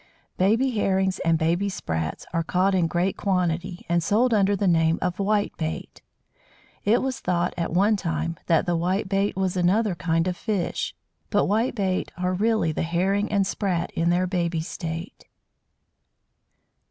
Baby Herrings and baby Sprats are caught in great quantity, and sold under the name of "Whitebait." It was thought, at one time, that the Whitebait was another kind of fish; but Whitebait are really the Herring and Sprat in their baby state.